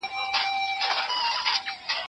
ښوونکی باید د زده کوونکي داخلي نړۍ وپیژني.